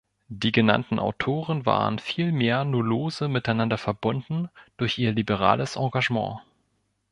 Die genannten Autoren waren vielmehr nur lose miteinander verbunden durch ihr liberales Engagement.